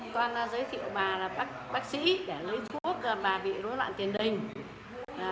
con giới thiệu bà là bác sĩ để lấy thuốc bà bị rối loạn tiền đình